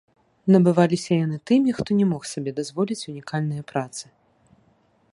Набываліся яны тымі, хто не мог сабе дазволіць унікальныя працы.